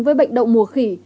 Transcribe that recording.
với bệnh động mùa khỉ